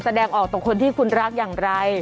แสดงออกต่อคนที่คุณรักอย่างไร